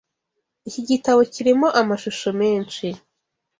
Iki gitabo kirimo amashusho menshi.